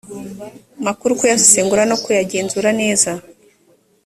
makuru kuyasesengura no kuyagenzura neza